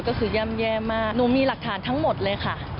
ก็คือย่ำแย่มากหนูมีหลักฐานทั้งหมดเลยค่ะ